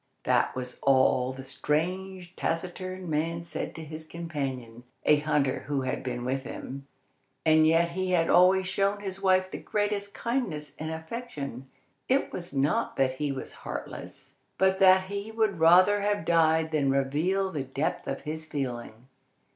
That was all the strange, taciturn man said to his companion, a hunter who had been with him, and yet he had always shown his wife the greatest kindness and affection. It was not that he was heartless, but that he would rather have died than reveal the depth of his feeling.